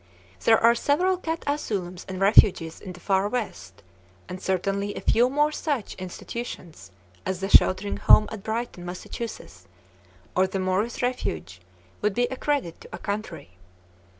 There are several cat asylums and refuges in the Far West, and certainly a few more such institutions as the Sheltering Home at Brighton, Mass., or the Morris Refuge would be a credit to a country.